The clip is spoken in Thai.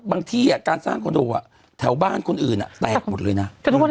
ที่การสร้างคอนโดแถวบ้านคนอื่นแตกหมดเลยนะ